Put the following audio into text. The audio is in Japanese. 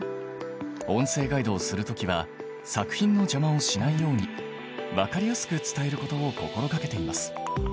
音声ガイドをする時は作品の邪魔をしないように分かりやすく伝えることを心がけています。